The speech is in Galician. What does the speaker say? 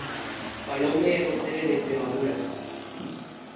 Faloume vostede de Estremadura.